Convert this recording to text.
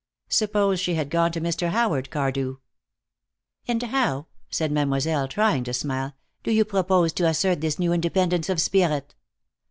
Suppose she had gone to Mr. Howard Cardew? "And how," said Mademoiselle, trying to smile, "do you propose to assert this new independence of spirit?"